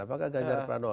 apakah ganjar pranowo